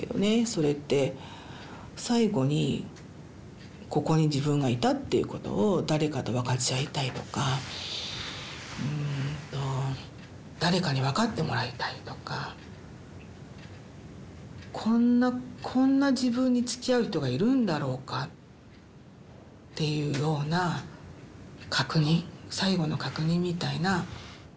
それって最後にここに自分がいたっていうことを誰かとわかち合いたいとかうんと誰かにわかってもらいたいとかこんなこんな自分につきあう人がいるんだろうかっていうような確認最後の確認みたいな。